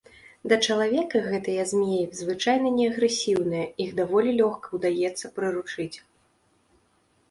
Да чалавека гэтыя змеі звычайна не агрэсіўныя, іх даволі лёгка ўдаецца прыручыць.